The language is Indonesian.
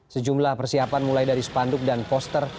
sejumlah persiapan mulai dari spanduk dan poster